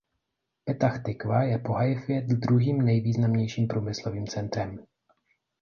Petach Tikva je po Haifě druhým nejvýznamnějším průmyslovým centrem.